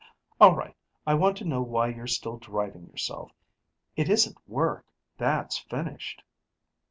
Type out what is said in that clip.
"All right, I want to know why you're still driving yourself. It isn't work; that's finished."